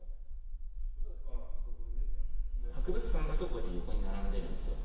博物館だとこうやって横に並んでるんですよ。